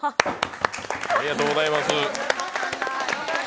ありがとうございます。